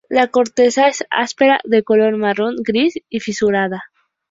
La corteza es áspera de color marrón-gris y fisurada.